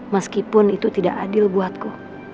meskipun itu tidak adil buatku